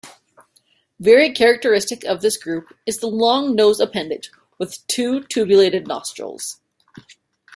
Very characteristic of this group is the long nose appendage with two tubulated nostrils.